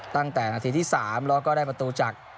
ตั้งแต่นาทีที่๓แล้วก็ได้ประตูจาก